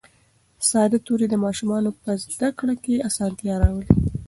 ساده توري د ماشومانو په زده کړه کې اسانتیا راولي